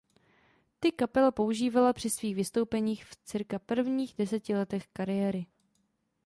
Ty kapela používala při svých vystoupeních v cca prvních deseti letech kariéry.